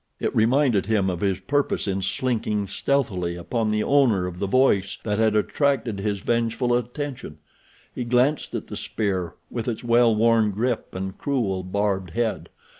It reminded him of his purpose in slinking stealthily upon the owner of the voice that had attracted his vengeful attention. He glanced at the spear, with its well worn grip and cruel, barbed head.